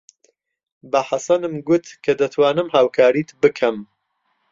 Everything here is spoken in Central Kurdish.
بە حەسەنم گوت کە دەتوانم هاوکاریت بکەم.